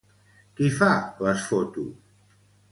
Qui fa les fotos?